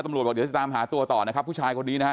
บอกเดี๋ยวจะตามหาตัวต่อนะครับผู้ชายคนนี้นะฮะ